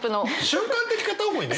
瞬間的片思いね！